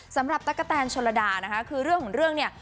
ตั๊กกะแตนชนระดานะคะคือเรื่องของเรื่องเนี่ย